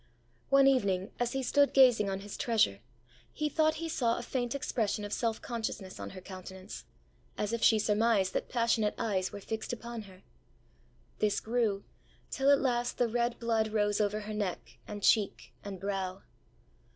ã One evening, as he stood gazing on his treasure, he thought he saw a faint expression of self consciousness on her countenance, as if she surmised that passionate eyes were fixed upon her. This grew; till at last the red blood rose over her neck, and cheek, and brow.